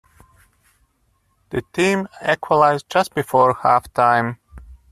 The team equalized just before half-time.